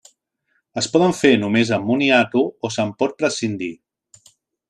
Es poden fer només amb moniato, o se’n pot prescindir.